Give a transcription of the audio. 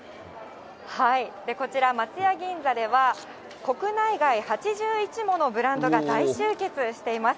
こちら、松屋銀座では、国内外８１ものブランドが大集結しています。